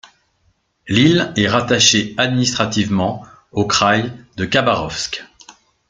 L'île est rattachée administrativement au kraï de Khabarovsk.